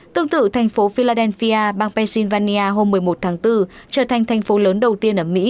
tương tự thành phố philadelphia bang pennsylvania hôm một mươi một tháng bốn trở thành thành phố lớn đầu tiên ở mỹ